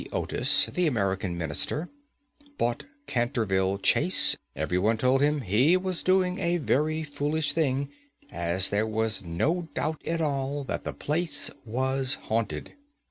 Otis, the American Minister, bought Canterville Chase, every one told him he was doing a very foolish thing, as there was no doubt at all that the place was haunted.